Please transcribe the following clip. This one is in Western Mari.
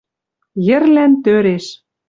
Йӹрлӓн тӧреш